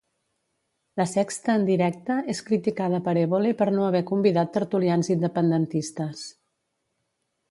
La Sexta En Directe és criticada per Évole per no haver convidat tertulians independentistes.